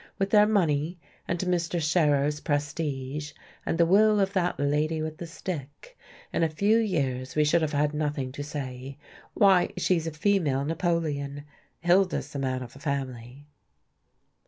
With their money, and Mr. Scherer's prestige, and the will of that lady with the stick, in a few years we should have had nothing to say. Why, she's a female Napoleon. Hilda's the man of the family."